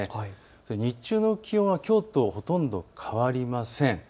そして日中の気温はきょうとほとんど変わりません。